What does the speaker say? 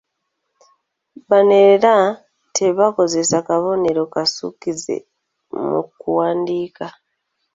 Bano era tebakozesa kabonero kasukkize mu kuwandiika.